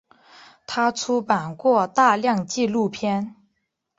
他出版过大量纪录片。